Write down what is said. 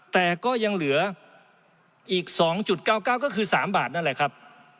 แต่ก็ยังเหลืออีก๒๙๙ก็คือ๓บาทนั่นแหละครับ